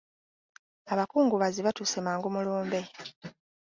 Abakungubazi baatuuse mangu mu lumbe.